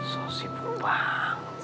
so sibuk banget